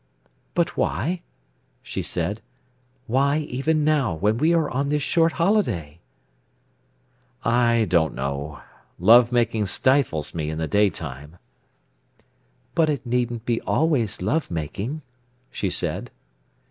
"But why?" she said. "Why, even now, when we are on this short holiday?" "I don't know. Love making stifles me in the daytime." "But it needn't be always love making," she said.